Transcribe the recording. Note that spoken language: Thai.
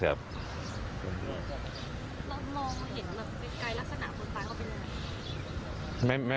แล้วมองเห็นลักษณะคนตายเขาเป็นยังไง